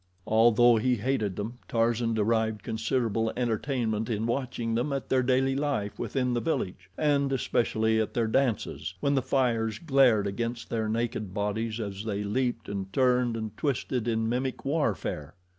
Although he hated them, Tarzan derived considerable entertainment in watching them at their daily life within the village, and especially at their dances, when the fires glared against their naked bodies as they leaped and turned and twisted in mimic warfare.